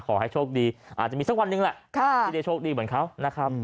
ขอให้โชคดีอาจจะมีสักวันหนึ่งแหละที่ได้โชคดีเหมือนเขานะครับ